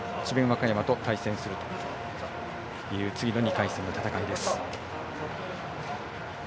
和歌山と対戦するという次の２回戦の戦いです。